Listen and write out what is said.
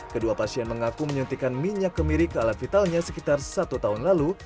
kedua pasien mengaku menyuntikan minyak kemiri ke alat vitalnya sekitar satu tahun lalu